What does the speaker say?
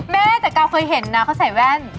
แม่แต่กาวเคยเห็นนะเขาใส่แว่น